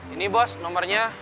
ini bos nomernya